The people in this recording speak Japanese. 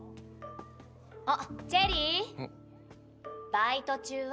バイト中は。